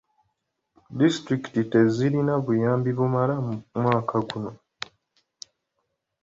Disitulikiti tezirina buyambi bumala omwaka guno.